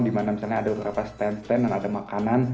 dimana misalnya ada beberapa stand stand yang ada makanan